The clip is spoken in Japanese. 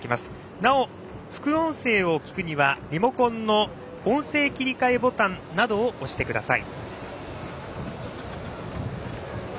なお、副音声を聞くにはリモコンの音声切り替えボタンなどを押してください。